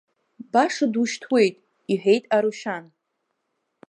Баша душьҭуеит, – иҳәеит Арушьан.